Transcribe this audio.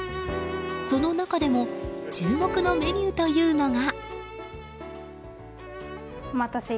その中でも注目のメニューというのが。